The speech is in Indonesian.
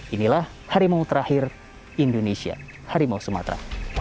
inilah harimau terakhir indonesia harimau sumatera